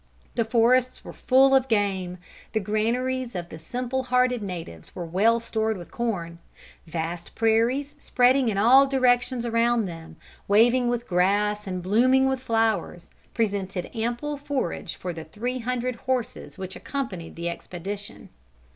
The forests were full of game. The granaries of the simple hearted natives were well stored with corn; vast prairies spreading in all directions around them, waving with grass and blooming with flowers, presented ample forage for the three hundred horses which accompanied the expedition.